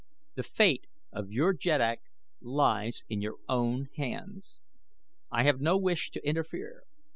The fate of your jeddak lies in your own hands. I have no wish to interfere.